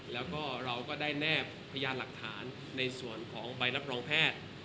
แล้วก็เราก็ได้แนบพยานหลักฐานในส่วนของใบรับรองแพทย์